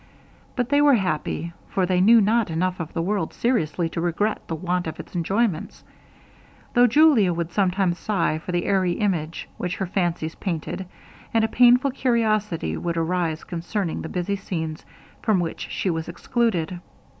But they were happy, for they knew not enough of the world seriously to regret the want of its enjoyments, though Julia would sometimes sigh for the airy image which her fancies painted, and a painful curiosity would arise concerning the busy scenes from which she was excluded.